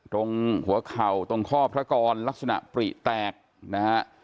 ตรงหัวเข่าตรงข้อพระกรลักษณะปริแตกนะฮะ